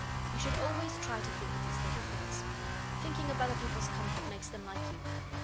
You should always try to think of these little things. Thinking of other people's comfort makes them like you.